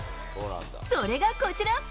それがこちら。